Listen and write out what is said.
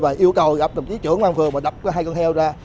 và yêu cầu gặp tổ chí trưởng công an phường và đập hai con heo ra